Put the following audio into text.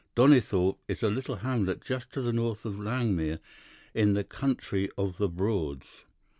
Donnithorpe is a little hamlet just to the north of Langmere, in the country of the Broads.